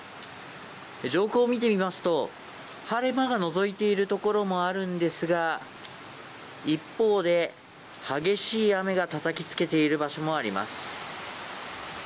上空を見てみますと晴れ間がのぞいているところもあるんですが一方で、激しい雨がたたきつけている場所もあります。